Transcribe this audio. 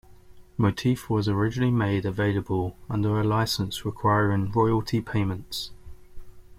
Motif was originally made available under a license requiring royalty payments.